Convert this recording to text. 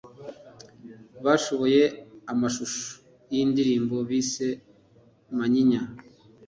Basohoye amashusho y’indirimbo bise ‘Manyinya’